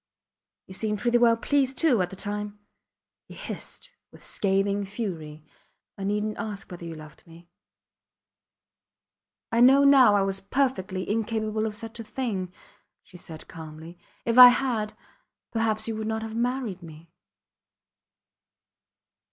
You seemed pretty well pleased, too at the time, he hissed, with scathing fury. I neednt ask whether you loved me. I know now I was perfectly incapable of such a thing, she said, calmly, If I had, perhaps you would not have married me.